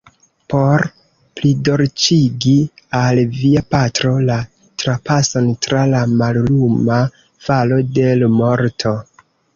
por plidolĉigi al via patro la trapason tra la malluma valo de l’morto.